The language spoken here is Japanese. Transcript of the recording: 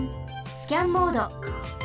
スキャンモード。